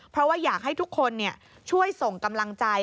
เพราะว่าอยากให้ทุกคนช่วยส่งกำลังใจ